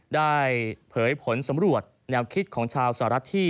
เผยผลสำรวจแนวคิดของชาวสหรัฐที่